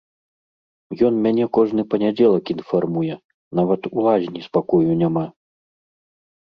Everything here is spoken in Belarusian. Ён мяне кожны панядзелак інфармуе, нават у лазні спакою няма.